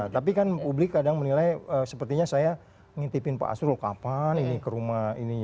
tapi kan publik kadang menilai sepertinya saya ngitipin pak asrul kapan ini ke rumah ini